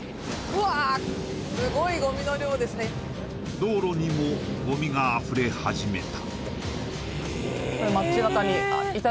道路にも、ごみがあふれ始めた。